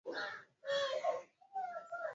tarehe ishirini na tatu mwezi Januari